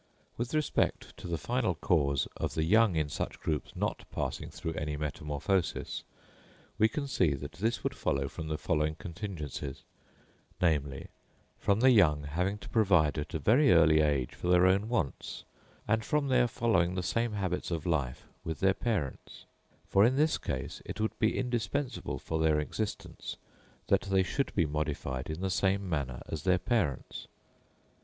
With respect to the final cause of the young in such groups not passing through any metamorphosis, we can see that this would follow from the following contingencies: namely, from the young having to provide at a very early age for their own wants, and from their following the same habits of life with their parents; for in this case it would be indispensable for their existence that they should be modified in the same manner as their parents.